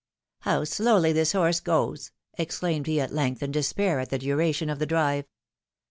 How slowly this horse goes ! exclaimed he at length, in despair at the duration of the drive.